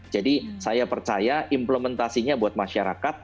jadi saya percaya implementasinya buat masyarakat ini akan muncul